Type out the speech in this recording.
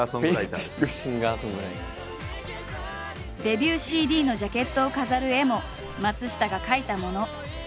デビューＣＤのジャケットを飾る絵も松下が描いたもの。